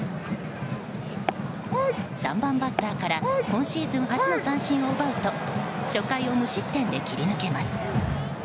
３番バッターから今シーズン初の三振を奪うと初回を無失点で切り抜けます。